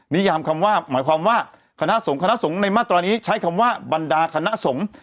ยามคำว่าหมายความว่าคณะสงคณะสงฆ์ในมาตรานี้ใช้คำว่าบรรดาคณะสงฆ์